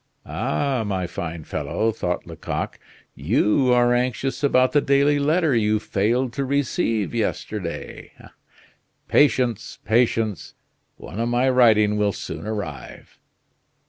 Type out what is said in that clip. "Ah! my fine fellow," thought Lecoq, "you are anxious about the daily letter you failed to receive yesterday. Patience, patience! One of my writing will soon arrive."